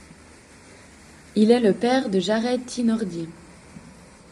Il est le père de Jarred Tinordi.